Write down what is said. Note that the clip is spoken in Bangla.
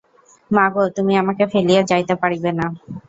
মা গো, তুমি আমাকে ফেলিয়া যাইতে পারিবে না।